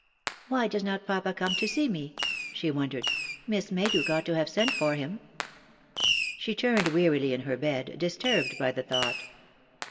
" Why does not papa come to see me ?" she wondered. " Miss Mayduke ought to have sent for him." She turned wearily in her bed, disturbed by the thought.